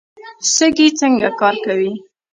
سږي څنګه کار کوي؟